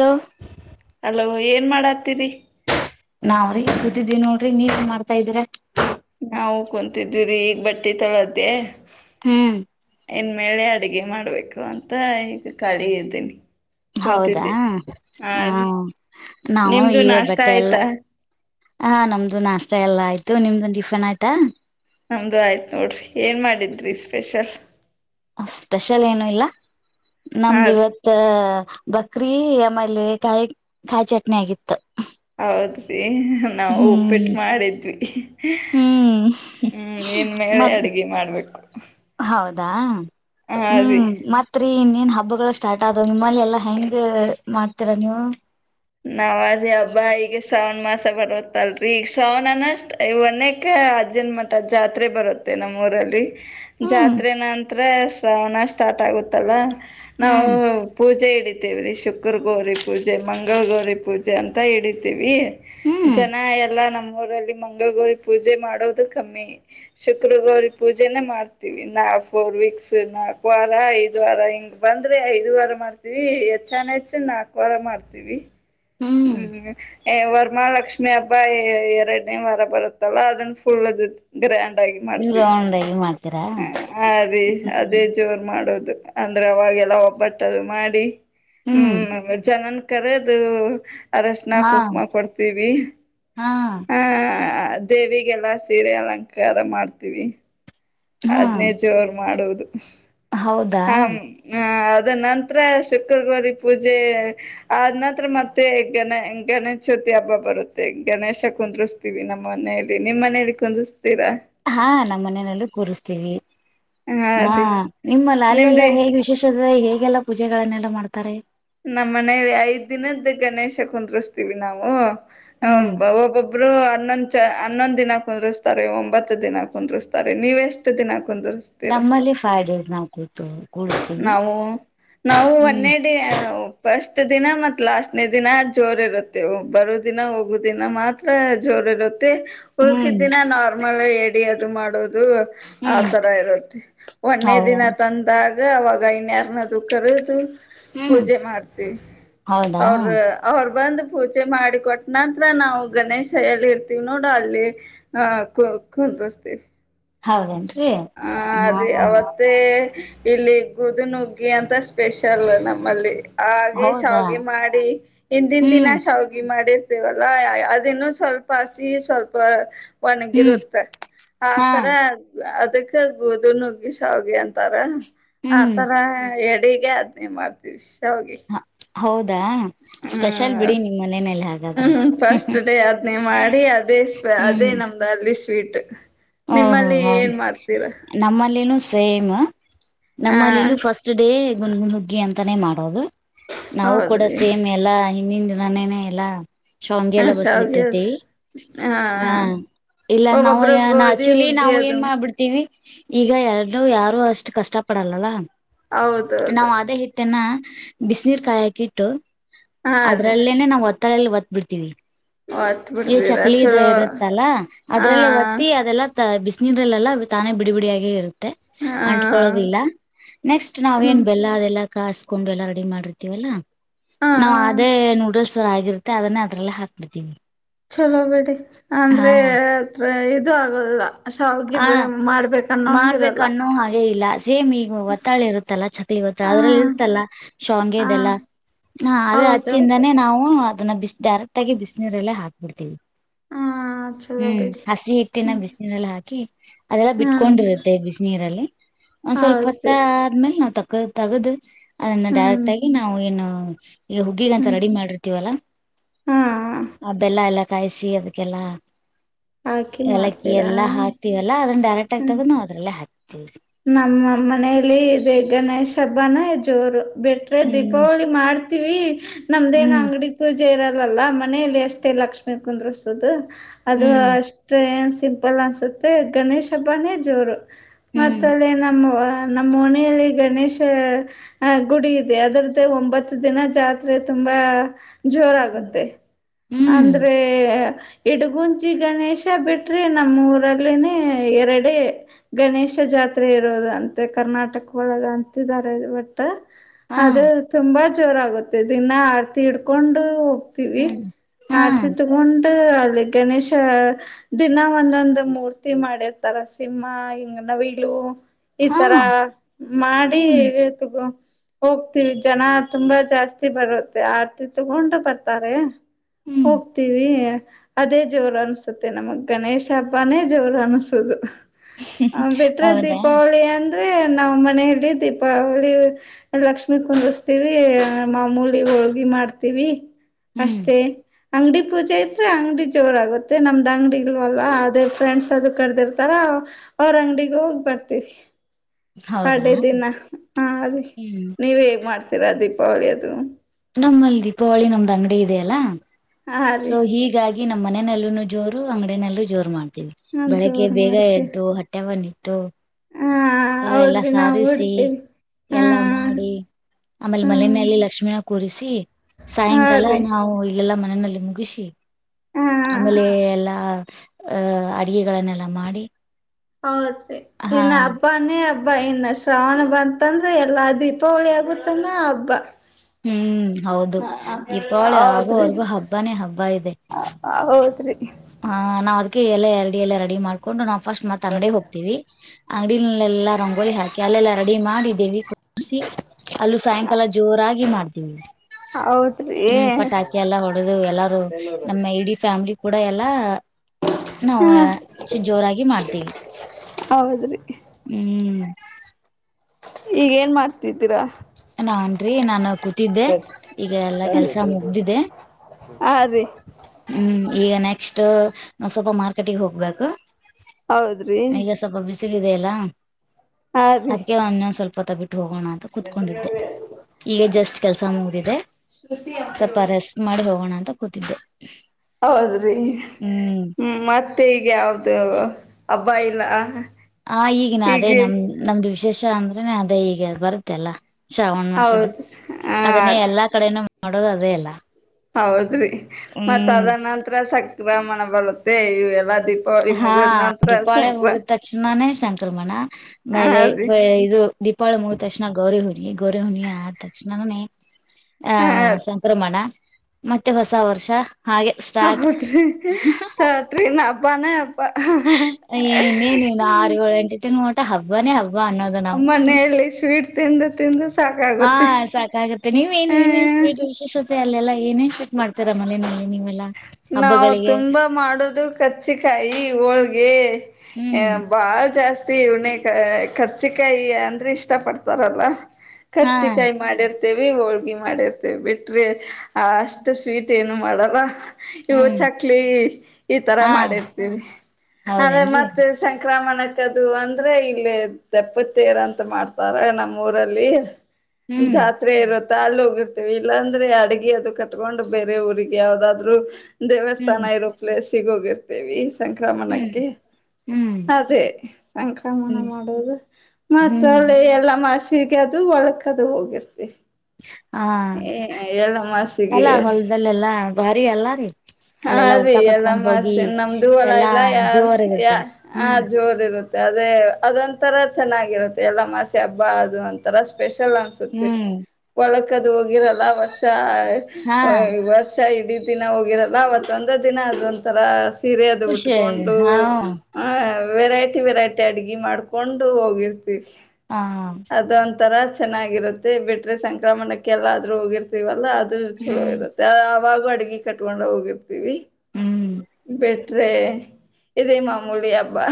Hello hello ಏನ್ ಮಾಡಾತ್ತರಿ ನಾವ್ರೀ ಕೂತಿದೀವಿ ನೋಡ್ರಿ ನೀವನ್ ಮಾಡ್ತಾ ಇದ್ದೀರ ನಾವು ಕುಂತಿದವಿರಿ ಈಗ ಬಟ್ಟಿ ತಲದ್ದೇ ಇನ್ ಮೇಲೆ ಅಡುಗೆ ಮಾಡ್ಬೇಕು ಅಂತ ಈಗ ಕಳಿ ಇದ್ದೀನಿ ಹೌದಾ ಕುಂತಿದ್ದೆ ಹಾ ಹ ರೀ ನಾವು ನಿಮ್ದು ಈಗೆ ನಾಷ್ಟ ಬಟ್ಟೆ ಎಲ್ಲ ಆಯ್ತಾ ಹಾ ನಮ್ದು ನಾಷ್ಟ ಎಲ್ಲಾ ಆಯ್ತು ನಿಮ್ದುನ್ ಟಿಫನ್ ಆಯ್ತಾ ನಮ್ದು ಆಯ್ತ್ ನೋಡ್ರಿ ಏನ್ ಮಾಡಿದ್ರಿ ಸ್ಪೆಷಲ್ ಸ್ಪೆಷಲ್ ಏನು ಇಲ್ಲ ಹಾ ನಮ್ದು ರೀ ಇವತ್ತ ಬಕ್ರಿ ಆಮೇಲೆ ಕಾಯಿ ಕಾಯಿ ಚಟ್ನಿ ಆಗಿತ್ತು ಹೌದ್ರಿ ನಾವು ಉಪ್ಪಿಟ್ಟ ಹ್ಮ್ ಮಾಡಿದ್ವಿ ಹ್ಮ್ ಹ್ಮ್ ಇನ್ ಮೇಲೆ ಮತ್ ಅಡ್ಗೆ ಮಾಡ್ಬೇಕು ಹೌದಾ ಹಾ ರೀ ಹ್ಮ್ ಮತ್ರಿ ಇನ್ನೇನ್ ಹಬ್ಬಗಳು ಸ್ಟಾರ್ಟ್ ಆದವು ನಿಮ್ಮಲ್ಲಿ ಎಲ್ಲಾ ಹೆಂಗ ಮಾಡ್ತೀರಾ ನೀವು ನಾವ್ ಅ ರೀ ಅಬ್ಬಾ ಈಗ ಸ ಶ್ರಾವಣ ಮಾಸ ಬರೋತ್ತಲ್ರರಿ ಈಗ ಶ್ರಾವಣನಷ್ಟ ಒನಕ್ಕೆ ಅರ್ಜೆಂಟ್ ಮಟ್ಟ ಜಾತ್ರೆ ಬರುತ್ತೆ ನಮ್ಮ ಉರಲ್ಲಿ ಹ್ಮ್ ಜಾತ್ರೆ ನಂತ ರ ಶ್ರವಣ ಸ್ಟಾರ್ಟ್ ಆಗುತ್ತಲ್ಲಾ. ನಾವು ಹ್ಮ್ ಪೂಜೆ ದೆವ್ರೀ ಶುಕ್ರ ಗೌರಿ ಪೂಜೆ ಮಾ ಗೌರಿ ಪೂಜೆ ಅಂತ ಇಡಿತೀವಿ ಹ್ಮ್ ಜನ ಎಲ್ಲಾ ನಮ್ ೂರಲ್ಲಿ ಮಂಗಳ ಗೌರಿ ಪೂಜೆ ಮಾಡೋದು ಕಮ್ಮಿ ಶುಕ್ರ ಗೌರಿ ಪೂಜೆನೇ ಮಾಡ್ತೀವಿ ನಾ ಫೋರ್ ವೀಕ್ಸ್ ನಾಕ ವಾರ ಐದ ವಾರ ಹಿಂಗ್ ಬಂದ್ರೆ ಐದ ವಾರ ಮಾಡ್ತೀವಿ ಹೆಚ್ಚಾನ ಹೆಚ್ಚ ನಾಕ ವಾರ ಮಾಡ್ತವಿ ತಿವಿ ಹ್ಮ್ ಎ ವರ್ಮಾ ಲಕ್ಷ್ಮಿ ಹಬ್ಬ ಎರಡನೇ ವಾರ ಬರುತ್ತಲ್ಲ ಅದನ್ ಫುಲ್ ಅದು ಗ್ರ್ಯಾಂಡ್ ನೀವ್ ಮಾಡ್ತೀವಿ ರೌಂಡ್ ಆಗಿ ಮಾಡ್ತೀರಾ ಆ ರೀ ಹ್ಮ್ ಅದೇ ಜೋರ್ ಮಾಡೋದು ಅಂದ್ರೆ ಅವಾಗೆಲ್ಲ ಒಬ್ಬಟ್ಟದು ಮಾಡಿ ಹ್ಮ್ ವಜ್ಜಾನನ್ ಕರೆದು ಅರಶನಾ ಹಾ ಕುಕ್ಮ ಕೊಡ್ತೀವಿ ಹಾ ಹಾ ಆ ದೇವಿಗೆಲ್ಲ್ಲಾ ಸೀರೆ ಅಲಂಕಾರ ಮಾಡ್ತೀವಿ ಹಾ ಅದ್ನೇ ಜೋರ್ ಮಾಡುವು ಹೌದಾ [inaudible] ಅಂ ಅ ಅದ ನಂತರ ಶುಕ್ರರ ಗೌರಿ ಪೂಜೆ ಆದ್ ನಂತರ ಮತ್ತೆ ಗಣ ಗಣೇಶ್ಯುರ್ತಿ ಹಬ್ಬ ಬರುತ್ತೆ ಗಣೇಶ ಕುಂದ್ರಿಸ್ತೀವಿ ನಮ್ಮ ಮನೆಯಲ್ಲಿ ನಿಮ್ಮ್ ಮನೇಲಿ ಕುಂದ್ರಿಸ್ ಹಾ ನಮ್ಮ್ ಮನೇನಲ್ಲೂ ಕೂರಿಸ್ ತಿವಿ ಹಾ ನಿಮ್ಮಲ್ಲ ನಿಮ್ದ ಅಲ್ಲೆಲ್ಲ ಹೇಗೆ ವಿಶೇಷ ಅದ ಹೇಗೆಲ್ಲಾ. ಪೂಜೆಗಳನ್ನೆಲ್ಲಾ ಮಾಡ್ತಾರೆ. ನಮ್ಮ ಮನೇಯಲ್ಲಿ ಐದ್ ದಿನದ್ದ ಗಣೇಶ ಕುಂದುರ್ಸ್ತೀವಿ ನಾವು. ಹ ಹ್ಮ್ ಬ ಒಬ್ಬೊಬ್ಬ. ಒಬ್ರು ಹನ್ನೊಂದ್ ಹನ್ನೊಂದ್ ದಿನ ಕುಂದುರ್ಸ್ತಾರೆ ಒಂಬತ್ತು ದಿನ ಕುಂದುರ್ಸ್ತಾರೆ ನೀವ ಎಷ್ಟು ದಿನ ಕುಂದರ್ಸ್ತೀರಾ ನಮ್ಮಲ್ಲಿ ಫೈವ್ ಡೇಸ್ ನಾವ್ [unintelligible] ನಾವು ನಾವು ಹ್ಮ್ ಒನ್ನೆದೇ ಫಸ್ಟ್ ನೇ ದಿನ ಮತ್ತ ಲಾಸ್ಟ್ನೇ ದಿನ ಜೋರ್ ಇರುತ್ತೆ ಬರು ದಿನ ಹೋಗೋ ದಿನ ಮಾತ್ರ ಜೋರ್ ಇರುತ್ ತೆ ಹ್ಮ್ ಉಳ್ಕಿದಿನ ನಾರ್ಮಲ್ ಏಡಿ ಅದು ಮಾಡೋದು ಆ ಹ್ಮ್ ತರ ಇರುತ್ತೆ ಹೌದಾ ಒನ್ನೆ ದಿನ ತಂದಾಗ್ ಅವಾಗ ಇನ್ಯಾರನ್ನಾದ್ರು ಕರೆದು ಹ್ಮ್ ಪೂಜೆ ಮಾಡ್ತಿವಿ ಹೌದಾ ಅವ್ರ ಅವರ್ ಅವ್ರ ಬಂದ್ ಪೂಜೆ ಮಾಡಿ ಕೊಟ್ಟ ನಂತ್ರ ನಾವು ಗಣೇಶ ಎಲ್ಲಿಡ್ತಿವಿ ನೋಡು ಅಲ್ಲಿ ಹ ಕು ಕುಂದ್ರಸ್ತೀವಿ. ಹೌದೇನ್ ಹ ರೀ ಅವತ್ತೇ ಇಲ್ಲಿ ಗುದುನ್ ಹುಗ್ಗಿ ಅಂತ ಸ್ಪೆಷಲ್ ನಮ್ಮಲ್ಲಿ. ಹಾಗೆ ಹೌದಾ ಶಾವ್ಗೆ ಮಾಡಿ ಹಿಂದಿನ್ ದಿನ ಹ್ಮ್ ಶಾವ್ಗಿ ಮಾಡಿರ್ ತ್ತಿವಗ ಅ ಅದ ಇನ್ನೂ ಸ್ವಲ್ಪ ಸಿಹಿ ಸ್ವಲ್ಪ ಹ್ಮ್ ಒಣಗಿರುತ್ತೆ ಹಾ ಆತರ ಅದ್ ಅದಕ್ಕ ಗೂದುನ್ ಹುಗ್ಗಿ ಶಾವ್ಗೆ ಅಂತಾರ. ಹ್ಮ್ ಆತರ ಹೇ [unintelligible] ಅದ್ನೆ ಮಾಡ್ತೀವಿ ಶಾವ್ಗಿ. ಹೌದಾ? ಸ್ಪೆಷಲ್ ಬಿಡಿ ಹ್ಮ್ ನಿಮ್ ಮನೇನೆಲ್ಲ ಹಾಗಾದ್ರೆ ಹ್ಮ್ ಫಸ್ಟ್ ಡೇ ಅದ್ನೇ ಮಾಡಿ ಅದೇ ಸ್ಪ ಅದೇ ಹ್ಮ್ ನಮ್ದು ಅಲ್ಲಿ ಸ್ವೀಟ್. ಓಹೋ ನಿಮ್ಮಲ್ಲಿ ಹ ಏನ್ ಮಾಡ್ತೀರಾ ನಮ್ಮಲ್ಲಿನು ಸೇಮು. ನಮ್ಮಲ್ಲಿನು ಹ ಫಸ್ಟ್ ಡೇ ಗುನಗುನುಗ್ಗಿ ಅಂತಾನೇ ಮಾಡೋದು. ನಾವು ಕೂಡ ಹೌದ್ರಿ ಸೇಮ್ ಶಾವಿಗೆ ಎಲ್ಲಾ- ನಿಂದ್ ನಾನೇನೆ ಎಲ್ಲ ಶಾಂಗೆ ಹ ಎಲ್ಲ ಶಾವ್ಗೆ ಬಸಿಟ್ಟಿರ್ತೀವಿ ಹಾ ಹ ಇಲ್ಲ ನಾವು ಒಬ್ಬೊಬ್ರು ಯಾ ನ ಗೋಧಿ ಆಕ್ಚುಲಿ ಹುಗ್ಗಿ ನಾವು ಅದು ಏನ್ ಮಾಡ್ಬಿಡ್ತೀವಿ ಈಗ ಎಲ್ರೂ ಯಾರು ಅಷ್ಟು ಕಷ್ಟ ಪಡಲ್ಲಲ್ಲ. ಹೌದೌದು ನಾವ್ ಅದೇ ಹಿಟ್ಟನ. ಬಿಸ ನೀರ್ ಕಾಯಾಕಿಟ್ಟು. ಹಾ ರೀ ಅದ್ರಲ್ಲೇನೆ ನಾವೋತ್ ತಲ್ಲಿ ಒದ್ಬಿಡ್ತೀವಿ. ಹೊತ್ ಇವು ಬಿಡ್ತೀರಾ ಚಕಲಿದು ಚಲೋ ಇರುತ್ತಲ್ಲ ಹಾ ಅದ್ರಲ್ಲ ಹೊತ್ತಿ ಅದೆಲ್ಲ. ಬಿಸ್ನೀರಲ್ಲ ತಾನೇ ಬಿಡಿ ಬಿಡಿಯಾಗೇ ಇರುತ್ ತ್ತೆ ಹಾ ಅಂಟ್ಕೊಳ್ಳೋದಿಲ್ಲ ನೆಕ್ಸ್ಟ್ ನಾವ್ ಏನ್ ಹ್ಮ್ ಬೆಲ್ಲ ಅದೆಲ್ಲ. ಕಾಯಿಸಸ್ಕೊಂಡು ಎಲ್ಲಾ ರೆಡಿ ಮಾಡಿರ್ತತಿವಲ್ಲಾ. ಹಾ ನಾವ್ ಅದೇ ನೂಡಲ್ಸ್. ಆಗಿರುತ್ತೆ ಅದನ್ನೇ ಅದ್ರಲ್ಲ ಹಾಕ್ಬಿಡ್ತೀವಿ. ಚೊಲೋ ಬೇಡಿ. ಹಾ ಅಂದ್ರೆ [unintelligible] [unintelligible] ಹ ಮಾಡ್ಬೇಕ ಮಾಡ್ಬೇಕನ್ನೋಂಗಿರಲ್ಲ ಅನ್ನೋ ಹಾಗೇ ಇಲ್ಲ ಸೇಮ್ ಈಗ ಒತ್ತಾಳೆ ಇರುತ್ತಲ್ಲ ಚಕ್ಲಿ ಒತ್ತಾಳ ಹ ಅದ್ರಲ್ಲಿ ಇರ್ತಲ್ಲ ಹ ಶಾಂಗದೆಲ್ಲ ಹ ಅದ್ರ ಹೌದೌದು ಹಚ್ಚಿಂದಾನೇ ನಾವು ಅದನ್ನ ಬಿಸಿ. ಡೈರೆಕ್ಟ್ ಆಗ ಬಿಸಿನೀರೆಲ್ಲ ಹಾಕ್ಬಿಡ್ತೀವಿ. ಹಾ ಚಲೋ ಹ್ಮ್ ಬಿಡಿ ಹಸಿ ಇಟ್ಟಿನ ಹ್ಮ್ ಬಿಸಿನೀರಲ್ಲಿ ಹಾಕ್ ಅದೆಲ್ಲಾ ಹಾ ಬಿಟ್ಕೊಂಡಿರುತ್ತೆ ಬಿಸ್ ನಿರಲ್ಲಿ. ಒಂದ್ ಸ್ವಲ್ಪ ಹೊತ್ತ ಹೌದ್ರಿ ಆದ್ಮೇಲೆ ನಾವ್ ತೊಕ್ ತಗ್ದು. ಅದನ್ನ ಹ್ಮ್ ಡೈರೆಕ್ಟ್ ಆಗಿ ನಾವು ಏನು. ಹ್ಮ್ ಈ ಹುಗ್ಗಿಗಂತ ಹ್ಮ್ ರೆಡಿ ಮಾಡಿರ್ತೀವಲ್ಲಾ ಹಾ ಆ ಬೆಲ್ಲ ಎಲ್ಲ. ಕಾಯಿಸಿ ಅದಕ್ಕೆಲ್ಲ. ಹಾಕಿ ಮಾಡ್ತೀರಾ. [unintelligible] ಕರೆಕ್ಟಗಿ ಹ್ಮ್ ತಗುದ್ ನಾವ್ ಅಲ್ಲೇ ಹಕ್ ಹ್ಮ ನಮ್ಮ ಮನೇಲಿ ಇದೆ ಗಣೇಶ ಹಬ್ಬಾನ ಜೋರು. ಬಿಟ್ರೆ ಹ್ಮ್ ದೀಪಾವಳಿ ಮಾಡ್ ತೀವಿ ನಮ್ದೇನ್ ಹ್ಮ್ ಅಂಗಡಿ ಪೂಜೆ ಇರ ಲ್ಲ ಮನಲಿ ಎಷ್ಟೇ ಲಕ್ಷ್ಮೀ ಕುಂದ್ರಸೋದು ಅದು ಹ್ಮ್ ಅಷ್ಟೇ ನ್ ಸಿಂಪಲ್ ಅನ್ಸುತ್ತೆ ಗಣೇಶ್ ಹಬ್ಬಾನೇ ಜೋರು ಹ್ಮ್ ಮತ್ತಲ್ಲ ನಮ್ಮ ನಮ್ಮ ಓಣಿಯಲ್ಲಿ ಗಣೇಶ ಅ ಗುಡಿ ಇದೆ ಅದರದ್ದ ಒಂಬತ್ತು ದಿನ ಜಾತ್ರೆ ತುಂಬಾ ಜೋರಾಗುತ್ತೆ ಹ್ಮ್ ಅಂದ್ರೆ ಇಡುಗುಂಜಿ ಗಣೇಶ ಬಿಟ್ರಿ ನಮ್ಮೂಊರಲ್ಲಿನೇ ಎರಡ ಗಣೇಶ ಕ್ಷ ಜಾತ್ರೆ ಇರೋದಂತೆ ಕರ್ನಾಟಕ ಒಳಗ ಅಂತಿದ್ದಾರೆ ಬಿಟ್ರೆ ಹಾ ಅದು ತುಂಬಾ ಜೋರ ಆಗುತ್ತೆ ದಿನ ಆಡ್ತಿ ಹಿಡ್ಕೊಂಡು ಹೋಗ್ತವಿ ಹ್ಮ್ ಹಾ ಆರ್ತಿ ತಗೊಂಡು ಅಲ್ಲಿ ಗಣೇಶ ದಿನ ಒಂದೊಂದು ಮೂರ್ತಿ ಮಾಡಿರ್ತಾರ ಸಿಂಹ ಹಿಂಗ ನ ಹಲೋ ಈ ಹಾ ತರ ಮಾಡಿ ಹ್ಮ್ ತಗ ಹೋಗ್ತೀವಿ ಜನ ತುಂಬಾ ಜಾಸ್ತಿ ಬರುತ್ತೆ ಆರ್ತಿ ತಗೊಂಡು ಬರ್ತಾರೆ ಹ್ಮ್ ಹೋಗ್ತೀವಿ ಅದೇ ಜೋರು ಅನ್ಸುತ್ತೆ ನಮಗ್ ಗಣೇಶ ಹಬ್ಬಾನೇ ಜೋರು ಅನಸುದು ಹ್ಮ್ಮ ದಸರಾ ದೀಪಾವಳಿಯಂದು ನಾವ್ ಮನೆಯಲ್ಲಿ ದೀಪಾವಳಿ ಲಕ್ಷ್ಮಿ ಕುಂದಿಸತೀವಿ ಮಾಮೂಲಿ ಹೋಳ್ಗಿ ಮಾಡ್ತೀವಿ ಹ್ಮ್ ಅಷ್ಟೇ ಅಂಗಡಿ ಪೂಜೆ ಐ್ರೆ [unintelligible] ಅಂಗಡಿ ಜೋರ ಆಗುತ್ತೆ ನಮ್ದ್ ಅಂಗಡಿ ಇಲ್ವಲ್ವಾ ಅದೇ ಫ್ರೆಂಡ್ಸ್ ಅದು ಕಡದಿರ್ತಾರ ಅವ್ರ ಅಂಗಡಿ ಹೋಗ್ ಬರ್ತೀವಿ ಹೌದಾ ಪಡೇ ದಿನ ಹರಿ ಹ್ಮ್ ನೀವ್ ಹೇಗ್ ಮಾಡ್ತೀರಾ ದೀಪ್ ಪಾಳಿ ಅದು ನಮ್ಮಲ್ಲಿ ದೀಪಾವಳಿ ನಮ್ದ್ ಅಂಗಡಿ ಇದೆಯಲ್ಲಾ ಹಾ ಸೊ ರೀ ಹೀಗಾಗಿ ನಾ ನ ಮನಲ್ಲೂ ಜೋರು ಅಂಗಡಿನಲ್ಲೂ ಜೋರ್ ಮಾಡಿ ನಾನ್ ಬೆಳಿಗ್ಗೆ ಜೋರ್ ಬೇಗ ಮಾಡ್ತೆ ಎದ್ದು ಹೊಟ್ಟೆ ಬನ್ನಿ ತ ಹಾ ಅ ಎಲ್ಲ ಹೌದ್ರಿ ನಾವು ಸಾರಿಸಿ ಉಡ್ತೀವಿ ಹಾ ಎಲ್ಲಾ ಮಾಡಿ ಆಮೇಲೆ ಹ್ಮ್ ಮನನೆಯಲ್ಲಿ ಲಕ್ಷ್ಮೀನ ಕೂರಿಸಿ ಸಾಯಂಕಾಲ ಹೌದ್ರಿ ನಾವು ಇಲ್ಲೆಲ್ಲ ಆಮೇಲೆ ಮುಗಷಿ. ಹಾ ಆಮೇಲೆ ಎಲ್ಲಾ ಅಹ ಅಡಿಗೆಗಳನ್ನೆಲ್ಲ ಮಾಡಿ. ಹೌದ್ ಹಾ ಇನ್ನ ಹಬ್ಬನೇ ಹಬ್ ಬ್ಬಾ ಇನ್ನ ಶ್ರಾವಣ ಬಂತಂದ್ರೆ ಎಲ್ಲಾ ದೀಪಾವಳಿ ಆಗುತ್ತನ ಹಬ್ಬಾ. ಹ್ಮ್ ಹೌದು ದೀಪಾವಳಿ ಹೌದ್ರಿ ಆಗೋವರ್ಗೂ ಹಬ್ಬನೇ ಹಬ್ಬ ಇದೆ. ತ್ರಿ. ಹ ನಾವ್ ಅದಕ್ಕೆ ಎಲ್ಲ ಎರಡಿ ಎಲ್ಲಾ ರೆಡಿ ಮಾಡ್ಕೊಂಡು ನಾವ್ ಫಸ್ಟ್ ಮತ್ ಅಂಗಡಿಗ್ ಹೋಗ್ತವಿ. ಅಂಗಡಿಲ್ಲೆಲ್ಲ ರಂಗೋಲಿ ಹಾಕಿ ಅಲ್ಲೆಲ್ಲ. ರೆಡಿ ಮಾಡಿ ದ್ದೇವಿ ಕುಡ್ಸಿ ಅಲ್ಲ ಸಾಯಂಕಾಲ ಜೋರಾಗಿ ಮಾಡ್ ಹ್ಮ್ ಹೌದ್ರಿ ಹ್ಮ್ ಪಟಾಕಿ ಎಲ್ಲ ಹೊಡೆದು ಎಲ್ಲಾರು ನಮ್ಮ ಇಡೀ ಫ್ಯಾಮಿಲಿ. ಬಾ ಎಲ್ಲ ನಾವು ಹ ಅಷ್ಟು ಜೋರಾಗಿ ಮಾಡ್ತೀವಿ ಹೌದ್ರಿ ಹ್ಮ್ ಈಗ್ ಏನ್ ಮಾಡ್ತಿದ್ದೀರಾ. ನಾನ್ರಿ ನಾನು ಕೂತಿದ್ದೆ ಈಗ ಎಲ್ಲಾ ಕೆಲ್ಸ ಮುಗ್ದಿದ್ದೆ. ಹಾ ರೀ ಹ್ಮ್ ಈಗ ನೆಕ್ಸ್ಟ್ ನ ಸ್ವಲ್ಪ ಮಾರ್ಕೆಟಿಗೆ ಹೋಗ್ಬೇಕು. ಹೌದ್ರಿ ಸರಿದೆಲ್ಲಾ. ಹಾ ರೀ ಅದ್ಕ್ಕೆ ಒನ್ ಸ್ವಲ್ಪತ ಬಿಟ್ಟು ಹೋಗೋಣ ಅಂತ ಕೂತ್ಕೊಂಡಿದ್ದೆ ಈಗ ಜಸ್ಟ್ ಕೆಲ್ಸ ಮುಗಿದೆ ಸ್ವಲ್ಪ ರೆಸ್ಟ್ ಮಾಡಿ ಹೋಗೋಣ ಅಂ ತ ಕೋತಿದ್ದು. ಹೌದ್ರಿ ಹ್ಮ ಮತ್ತೆ ಈಗ ಯಾವ್ದ. ಹಬ್ಬಾ ಇಲ್ಲ. ಹ ಈಗಿನ ಈಗ ಅದೇ ನಮ್ ನಮ್ದು ವಿಶೇಷ್ ಷ ಅಂದ್ರೆನೆ ಅದೇ ಈಗ ಬರುತ್ತೆಲ್ಲ. ಶ್ರಾವಣ ಮಾಸದ ಹೌದು ಹ ಅದನ್ನೇ ಎಲ್ಲಾ ಕಡೆನೂ. ನೋಡೋದ್ ಅದೇ ಅಲ್ಲ. ಹೌದ್ರಿ ಮತ್ ಹ್ಮ್ ಅದನಂತ್ರ ಸ ಬ್ರಹ್ಮಣ ಬರುತ್ತೆ ಇ ಎಲ್ಲ. ಹಾ ದೀಪಾವಳಿ ಮುಗಿದ ತಕ್ಷಣನೇ ಸಂಕ್ರಮಣ ಹಾ ಮೇಲೆ ರೀ ಇದು ದೀಪಾವಳಿ ಮುಗಿದ ತಕ್ಷಣ ಗೌರಿ ಹುನಿ ಗೌರಿ ಹುನಿ ಆದ ತಕ್ಷಣೇ ಹ ಹಾ ಸಂಕ್ರಮಣ. ಮತ್ತೆ ಹೊಸ ವರ್ಷ. ಹಾಗೆ ಸ್ಟಾರ್ಟ್ ಹೌದ್ರಿ ಸ್ಟಾರ್ಟ್ ರಿ ಇನ್ನ ಹಬ್ಬಾನೆ ಹ ಏನೇನ ಇನ್ ಆರ್ ಏಳ ಎಂಟ ತಿಂಗಳ ಹೊಂ ಟ್ಟ ಹಬ್ಬಾನೆ ಹಬ್ ನಮ್ಮನೇಲಿ ಸ್ವೀಟ್. ತಿಂದ್ ತಿಂದ್ ಸಾ ಹಾ ಸಾಕಾಗತ್ತೆ ನೀವೇನ್ ಇನ್ನೇನ್ ಹ್ಮ ಸ್ವೀಟ್ ವಿಶೇಷ. ತ್ತೆ ಅಲ್ಲೆಲ್ಲ ಎನ್ ಎನ್ ಸ್ವೀಟ್ ಮಾಡ್ತಾರಾ ಮನೆಯಲ್ಲಿ ನೀವೆಲ್ಲ. ನಾವು ತುಂಬಾ ಮಾಡುದು ಖರ್ಚ್ಚಿಕಾಯಿ ಹೋಳ್ಗೆ ಏ ಹ್ಮ್ ಬಾಳ ಜಾಸ್ ತಿ ಇವನೇ ಖ ಖರ್ಚಿಕಾಯಿ ಅಂದ್ರೆ ಇಷ್ಟ ಪಡ್ತಾರಲ್ಲ. ಹಾ ಖರ್ಚ ಕಾಯಿ ಮಾಡಿರ್ ತೇವಿ ಹೋಳ್ಗಿ ಮಾಡಿರ್ತೆೇವಿ ಬಿಟ್ರಿ ಆ ಅಷ್ಟ ಸ್ವೀಟ್ ಏನು ಮಾಡಲ್ಲ. ಇವು ಹ್ಮ್ ಚಕ್ಲಿ ಈ ತರ ಹಾ ಮಾಡಿರ್ತೀವಿ ಆದೆ ಹೌದೇನ್ರಿ ಮತ್ತ ಸಂಕ್ರಮಣ. ಯಾಕದು ಅಂದ್ರ ಇಲ್ಲಿ ದೆಪ್ಪದ ತೇರ್ ಅಂತ ಮಾಡ್ತಾರ ನಮ್ ಊರಲ್ಲಿ. ಹ್ಮ್ ಜಾತ್ರೆ ಇರುತ್ ತಾಳು ಹೋಗಿರ್ತೇವಿ ಇಲ್ಲಾಂದ್ರೆ ಅಡಿಗೆ ಅದು ಕಟ್ಕೊಂಡು ಬೇರೆ ಊರಿಗೆ ಯಾವದಾದ್ರು. ಹ್ಮ್ ದೇವಸ್ಥಾನ ಇರೋ ಪ್ಲೇಸ್. ಸಿಗ್ ಹೋಗಿರ್ತೀವಿ. ಹ್ಮ್ ಸಂಕ್ರಮಣಕ್ಕೆ ಹ್ಮ್ ಅದೇ ಸಂಕ್ರಮಣ ಹ್ಮ್ ಮಾಡುದು ಮತ್ತ ಹ್ಮ್ ಅಲ್ಲಿ ಎಲ್ಲ ಮಾಸ್ ತೀಕೆಯದು ಒಳಕ್ಕದು ಹೋಗಿರ್ತಿ. ಹಾ ಏ ಎಲ್ಲ ಮಾಸಿಗೆ ಎಲ್ಲಾ ಹೊಲ್ದಲ್ಲೆಲ್ಲಾ ಭಾರಿ ಅಲ್ಲಾರಿ ಹ ಅಲ್ಲೆಲ್ಲಾ ಊಟ ರೀ ಎಲ್ಲ ಕಟ್ಕೊಂಡ್ ಹೋಗಿ ಮಾಸಿ ನಮ್ದು ಹೊಲ ಎಲ್ಲಾ ಇಲ್ಲ ಯಾರ ಯ ಜೋರಾಗಿರುತ್ತೆ ಆ ಹ್ಮ್ ಜೋರ್ ಇರುತ್ತೆ. ಅದೇ ಅದೊಂತರ ಚೆನ್ನಾಗಿರುತ್ತೆ ಎಲ್ಲ ಮಾಸೆ ಹಬ್ಬ ಅದು ಒಂತರ ಸ್ಪೆಷ ಸ್ಪೆಷಲ್ ಅನ್ಸುತ್ತೆ ಹ್ಮ್ ಹೊಲ. ಕದು ಹೋಗಿರಲ್ಲ ವರ್ಷ. ಹಾಯ್ ಹಾ ಹೋಯ್ ವರ್ಷ್ ಷ ಇಡೀ ದಿನ ಹೋಗಿರಲ್ಲ ಅವತ್ತ ಒಂದ ದಿನ ಅದೊಂಥರ. ಸೀರೆ ಅದು ಖುಷಿ ಉಟ್ಕೊಂಡು ಹಾ ಆ ವೆರೈಟಿ ವೆರೈಟಿ ಅಡಗಿ ಮಾಡ್ಕೊಂಡು ಹೋಗಿರ್ತಿೀವಿ ಹಾ ಹಾ ತರ ಚೆನ್ನಾಗಿರುತ್ತೆ ಬಿಟ್ರೆ ಸಂಕ್ರಮಣಕ್ಕೆಲ್ಲಾದ್ರೂ ಹೋಗಿರ್ತಿವಲ್ಲ ಅದು ಚಲೋ ಹ್ಮ್ ಇರುತ್ತೆ ಆ ಆವಾಗ ಅಡಗಿ ಕಟ್ಗೊಂಡ ಹೋಗ ತಿವಿ ಹ್ಮ್ ಬಿಟ್ರೆ ಇದೇ ಮಾಮೂಲಿ ಹಬ್ಬಾ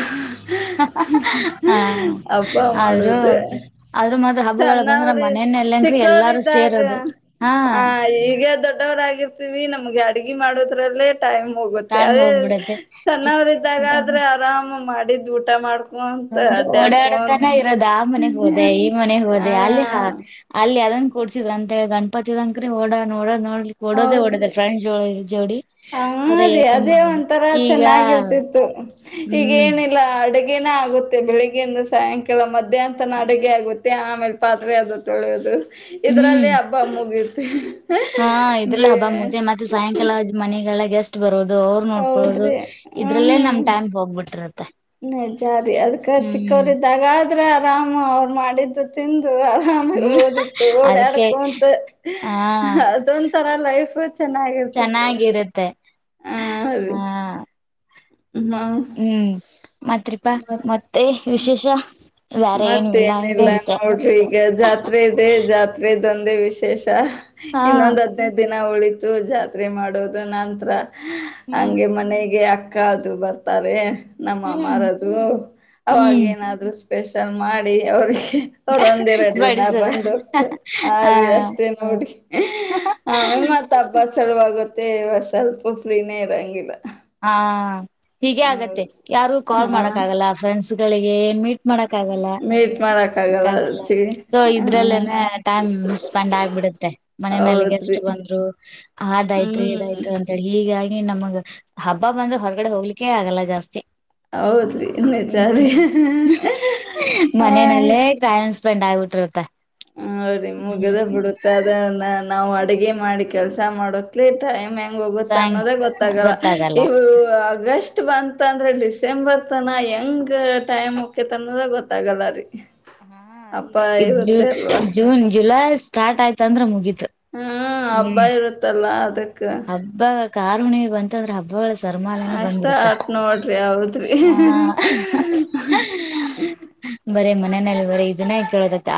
ಹಬ್ಬಾ ಮಾಡೋದೇ ಆದದ್ರ ಮಾತ್ರ ಹಬ್ ಚನ್ನವ್ರ ಚಿಕ್ಕವರು ಇದ್ದಾಗ ಸೇರೋದು ಹಾ ಹ ಈಗ ದೊಡ್ಡವರಗರ್ತೀವಿ ನಮ್ಗೆ ಅಡ್ಗೆ ಮಾಡೋದ್ರಲ್ಲೇ ಟೈಮ್ ಹೋಗುತ್ತೆ ಟೈಮ್ ಅದೇ ಹೋಗ್ಬಿಡತ್ತೆ ಚಿಕ್ಕ ಸಣ್ಣವರು ಇದ್ದಾಗ ಆದ್ರೆ ಆರಾಮ್ ಮಾಡ ಅ ಊಟ ಮಾಡ ಒಂದು ಓಡಾಡತಾನ ಇರೋದ ಆ ಮನೆಗ್ ಹೋದೆ ಈ ಮನೆಗ್ ಹಾ ಹೋದೆ ಅ ಅಲ್ಲಿ ಹಾ ಅ ಅಲ್ಲಿ ಅದನ್ ಕೊಡ್ಸಿದ್ರ ಅಂತ ಹೇಳಿ ಗಣಪತಿ ದಂಕ್ರ ಓಡ ನೋಡ ನೋಡ [inaudible] ಕೊಡೋದೆ ಒಡದೆ ್ರಂಚ್ಳ [unintelligible] ಜೋಡಿ ಹ ಆದ್ರೆ ರರಿ ಏನ್ ಅದೇ ಮಾಡೋದು ಒಂಥರ ಈಗ ಚೆನ್ನಾಗಿರ್ತಿತ್ತು ಈಗ ಹ್ಮ್ ಏನಿಲ್ಲ ಅಡಗೆ ದೇನ ಆಗುತ್ತೆ ಬೆಳಿಗ್ಗೆಯಿಂದ ಸಾಯಂಕಾಲ ಮಧ್ಯಾಹಂತ ನ ಅಡುಗೆ ಆಗುತ್ತೆ ಆಮೇಲೆ ಪಾತ್ರೆ ಅದು ತೊಳೋದು ಹ್ಮ್ ಹಾ ಇದ್ರಲ್ಲ ಬೇ ಹಬ್ಬ ಮುಗತೆ ಮತ್ತೆ ಸಾಯಂಕಾಲ್ ಮನೆಗಳ ಗೆಸ್ಟ್ ಬರೋದು ದು ಅವರು ನೋಡ್ಕೊಳ್ಳೋದು ಹೌದ್ರಿ ಇದ್ರಲ್ಲೇ ನಮ್ ಟೈಮ್ ಹೋಗ್ಬಿಟ್ಟಿರುತ್ತೆ ಹ್ಮ ಜಾರಿ ಅದ್ಕ ಚಿಕ್ಕವರಿದ್ದಾಗ್ರ ಆರಾಮ ಅವ್ರು ಮಾಡಿದ್ದು ತಿಂದ ಆರಾಮರ್ ಹ್ಮ್ ಓದಿತ್ತು ಅದಕ್ಕೆ ಓಡಾಡ್ಕು ಅಂತ ಹಾ ಅದೊಂತರ ಲೈಫ್ ಚೆನ್ನಾಗಿರ್ತಿತ್ತು ಚೆನ್ನಾಗಿರುತ್ತೆ ಹ ಅದೇ ಹಾ ಹ್ಮ್ ಮತ್ರಿಪ್. ಪ್ಪಾ ಮತ್ ಮತ್ತೆ ವಿಶೇಷಾ. ಮತ್ತೇನಿಲ್ಲ ನೋಡ್ರಿ ಈಗ ಜಾತ್ರೆ ಇದೆ ಜಾತ್ರೆದ. ದೊಂದೇ ವಿಶೇಷ. ತ್ಹ ಹಾ ಇನ್ನೊಂದ್ ಹದ್ನೈದ ದಿನಾ ಉಳಿತ. ತ್ತು ಜಾತ್ರಿ ಮಾಡೋದು ನಂತ್ರಾ. ಹ್ಹ ಹ್ಮ್ ಹಂಗೆ ಮನೆಗೆ ಅಕ್. ಕಾ ಅದು ಬರ್ತಾರೆ. ನಮ್ಮ ಹ್ಮ್ ಮಾಮಾರದು ಹ್ಮ್ ಅವಾಗೇಏನಾದ್ರುಸ್. ಸ್ಪೆಷಲ್ ಮಾಡಿ ಅವ್ರಿಗ್‌. ಅವ್ರ ಒಂದ್ ಎರಡು ದಿನಾ ಬಡಿಸದ ಬಂದ ಹೋಗ್ತ ಆ ರೀ ಎಷ್ಟೇ ನೋಡಿ ಆಮೇಲ ಮತ್ತ ಅಬ್ಬಸ್. ಛಲೂ ಆಗುತ್ತೇ ಈವಾ ಸ್ವಲ್ಪ ಫ್ರೀನೇ ಇರಂಗಿಲ್ಲಾ. ಹಾ. ಹೀಗೆ ಆಗತ್ತೆ ಯಾರು ಕ್ವಾಲ್ ಹಾ ಮಾಡಕ್ ಆಗಲ್ಲಾ ಫ್ರೆಂಡ್ಸ್ ಗಳಿ. ಏನ್ ಮೀಟ್ ಮಾಡಾಕ್. ಕ್ಕಾಗಲ್ಲಾ ಮೀಟ್ ಮಾಡಕ್ ಆಗಲ್ಲ ಕ್ಕಾಗಲ್ಲಾ ಅಜ್ಜಿ ಸೊ ಹ್ಮ ಇದ್ರಲ್ಲೇನೆ ಟೈಮ್ ಸ್ಪೆಂಡ್ ಆಗ್ಬಿಡುತ್ತೆ ಹೌದ್ರಿ ಮನೆನಲ್ಲಿಗೆಸ್ಟ್ ಬಂದ್ರು ಆದಾಯ್ತು ಹ್ಮ್ ಇದಾಯ್ತು ಅಂತಿ ಹೀಗಾಗಿ. ನೀ ನಮಗ. ಹಬ್ಬಾ ಬಂದ್ರೆ ಹೊರಗಡೆ ಹೋಗ್ಲಿಕ್ಕೆೇ ಆಗಲ್ಲಾ ಜಾಸ್ತಿ. ಹೌದ್ರಿ ನಿಜಾ ರೀ ಹ್ಮ್ ಹಹ್ಹಹ್ ಆಯ್ತು. ಫ್ರೆಂಡ್ ಆಗ್ಬಿಟ್ರು ಇವತ್ತ. ಹ ರೀ ಮುಗೇದ ಬಿಡುತ್ತದನನ್. ನಾವ್ ಅಡಗೆ ಮಾಡಿ ಕೆಲ್ಸಾ ಮಾಡೋತ್ಲೆ ಟೈಮ್ ಹೆಂಗ್. ಮುಗೂತ್ತ ಸಾಯಂ ಅನ್ನೋದೇ ಗೊತ್ತಾಗಲ್ಲಾ ಗೊತ್ತಾಗಲ್ಲ ಇವುವ ಅಗಷ್. ಚ್ಚು ಬಂನ ತಂದ್ರ ಡಿಸೆಂಬರ್ ತನಾ ಯಂಗ್ ಟೈಮ್ ಹೊಕೈತ ಅನ್ನೊದ ಗೊತ್ತಾಆಗಲ್ಲಾ ರೀ. ಹಾ ಈ ಹಬ್ಬ ಈಜ್ಜು ಇರುತ್ತೆ ಅಲ್ವಾ ಜೂನ್ ಜುಲೈಸ್. ಸ್ಟಾಟ್ ಆಯ್ತ ಅಂದ್ರ ಮುಗಿತ್. ಹ್ಮ ಹಬ್ಬಾ ಇರುತ್ತಲ್ಲಾ ಅದ್. ಹಬ್ಬಾಗಳ್. ಕಾರಹುಣಿಮಿ ಬಂತಂದ್ರ ಹಬ್ಬಳಸ. ತರ್ಮಾಲೆನೆ ಬಂದ ಅಷ್ಟ ಬಿಡುತ್ತೆ ಆತ್ ನೋಡ್ರಿ ಹೌದ್ರಿ ಹಾ ಬರೆಮ್ಮ. ನೆನ್ನೆ ಇವ್ರ್ ಇದನ್ನೇ ಕೇಳದ್ [unintelligible]